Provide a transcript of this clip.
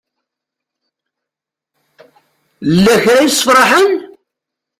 Lakra ysefrahen?